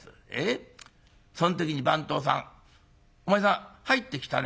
その時に番頭さんお前さん入ってきたね。